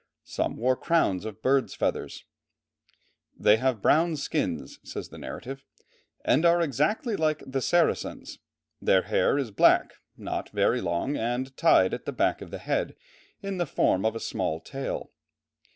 Some wore crowns of birds' feathers. "They have brown skins," says the narrative, "and are exactly like the Saracens; their hair is black, not very long, and tied at the back of the head in the form of a small tail.